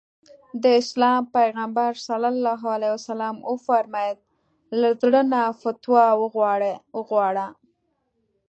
د اسلام پيغمبر ص وفرمايل له زړه نه فتوا وغواړه.